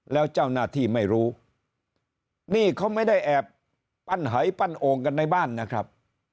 แล้วเจ้าหน้าที่ไม่รู้นี่เขาไม่ได้แอบปั้นหายปั้นโอ่งกันในบ้านนะครับ